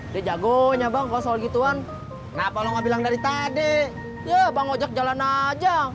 dia jagonya bang soal gituan kenapa lu ngomong bilang dari tadi ya bang ojak jalan aja dulu uu